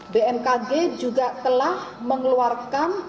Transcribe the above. bmkg juga telah mengeluarkan